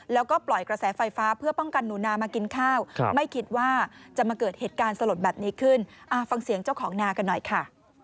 แล้วก็ปล่อยกระแสไฟฟ้าเพื่อป้องกันหนูนามากินข้าวไม่คิดว่าจะมาเกิดเหตุการณ์สลดแบบนี้ขึ้นฟังเสียงเจ้าของนากันหน่อยค่ะ